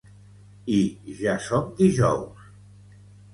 I ja som dijous